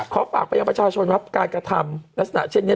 ขอฝากไปยังประชาชนครับการกระทำลักษณะเช่นนี้